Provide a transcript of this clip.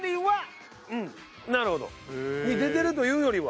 なるほど。に出てるというよりは？